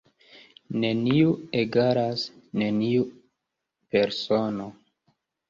Neniu = neniu persono.